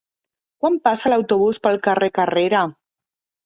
Quan passa l'autobús pel carrer Carrera?